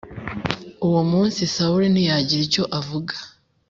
Uwo munsi Sawuli ntiyagira icyo avuga